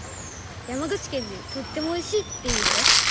山口県で「とってもおいしい」って意味だよ。